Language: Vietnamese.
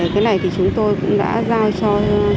cái này thì chúng tôi cũng đã giao cho tri cục an toàn